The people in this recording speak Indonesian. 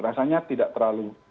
rasanya tidak terlalu